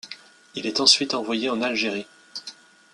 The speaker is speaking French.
Il est ensuite envoyé en Algérie.